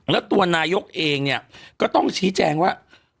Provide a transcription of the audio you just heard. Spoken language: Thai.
แล้วตัวนายกเองเนี่ยก็ต้องชี้แจงว่า